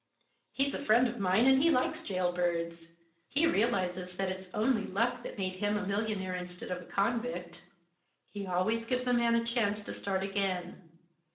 He's a friend of mine, and he likes jailbirds. He realizes that it's only luck that made him a millionaire instead of a convict. He always gives a man a chance to start again.